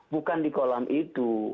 bukan di kolam itu